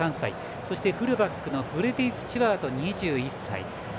そして、フルバックのフレディー・スチュワード２１歳。